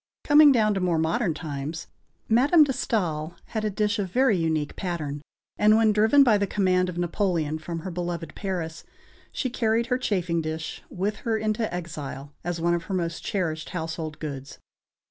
Coming down to more modern times, Madame de Staël had a dish of very unique pattern, and, when driven by the command of Napoleon from her beloved Paris, she carried her chafing dish with her into exile as one of her most cherished household gods.